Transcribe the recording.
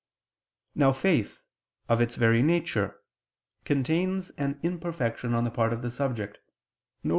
Now faith, of its very nature, contains an imperfection on the part of the subject, viz.